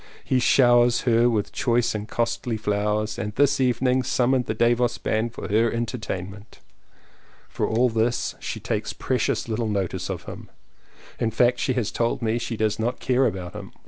He showers her with choice and costly flowers and this evening summoned the Davos band for her entertainment. For all this she takes precious little notice of him — in fact she has told me she does not care about him.